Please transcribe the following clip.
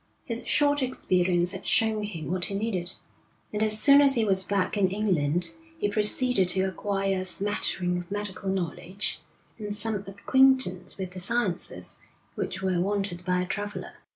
His short experience had shown him what he needed, and as soon as he was back in England he proceeded to acquire a smattering of medical knowledge, and some acquaintance with the sciences which were wanted by a traveller.